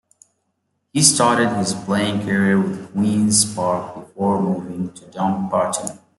He started his playing career with Queen's Park before moving to Dumbarton.